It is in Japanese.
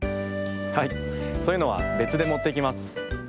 はいそういうのはべつでもっていきます。